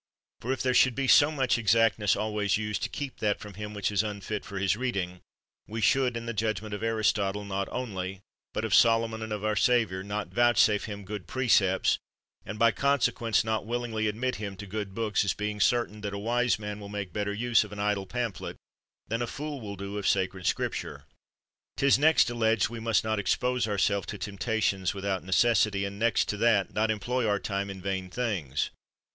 For if there should be so much exactness always used to keep that from him which is unfit for his reading, we should in the judgment of Aristotle not only, but of Solomon and of our Savior, not vouchsafe him good precepts, and by consequence 91 THE WORLD'S FAMOUS ORATIONS not willingly admit him to good books ; as being certain that a wise man will make better use of an idle pamphlet than a fool will do of sacred Scripture. 'Tis next alleged we must not expose ourselves to temptations without necessity, and next to that, not employ our time in vain things.